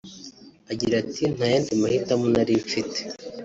Agira ati “Nta yandi mahitamo nari mfite